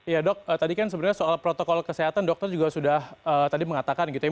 ya dok tadi kan sebenarnya soal protokol kesehatan dokter juga sudah tadi mengatakan gitu ya